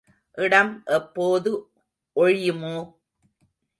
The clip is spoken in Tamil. இடம் எப்போது ஒழியுமோ?